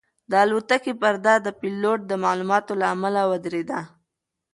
د الوتکې پرده د پیلوټ د معلوماتو له امله ودرېده.